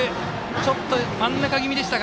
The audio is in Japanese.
ちょっと真ん中気味でしたが。